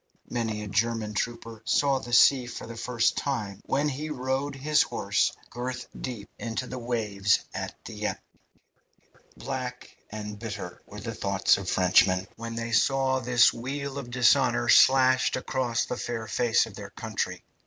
Many a German trooper saw the sea for the first time when he rode his horse girth deep into the waves at Dieppe. Black and bitter were the thoughts of Frenchmen when they saw this weal of dishonour slashed across the fair face of their country.